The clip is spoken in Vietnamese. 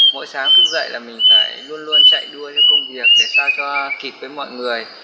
mỗi sáng thức dậy là mình phải luôn luôn chạy đua cho công việc để sao cho kịp với mọi người